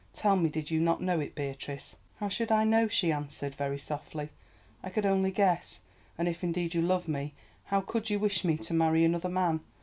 Tell me, did you not know it, Beatrice?" "How should I know?" she answered very softly; "I could only guess, and if indeed you love me how could you wish me to marry another man?